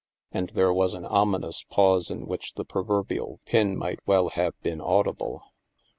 And there was an ominous pause in which the proverbial pin might well have been audible.